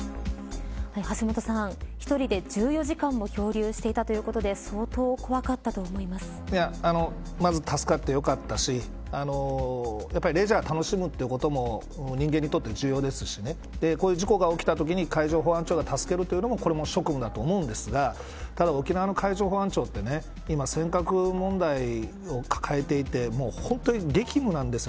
橋下さん、一人で１４時間も漂流していたということでまず助かってよかったしやっぱりレジャーを楽しむということも人間にとって重要ですしこういう事故が起きたときに海上保安庁が助けるのもこれも職務だと思うんですがただ沖縄の海上保安庁って今、尖閣問題を抱えていて本当に激務なんです。